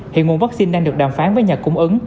hiện nguồn vaccine đang được đàm phán với nhà cung ứng